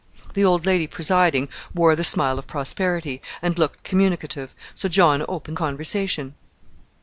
The old lady presiding wore the smile of prosperity, and looked communicative, so John opened conversation.